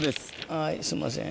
はいすいません。